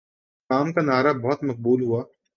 کام کا نعرہ بہت مقبول ہوا